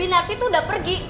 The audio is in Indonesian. binarti tuh udah pergi